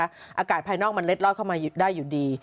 อากาศภายนอกมันเล็ดลอดเข้ามาได้อยู่ดี